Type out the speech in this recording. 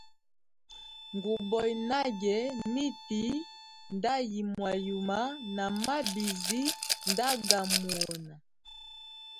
Nguboya nage miti nda yimwayuma na mabizi nda ga muhona.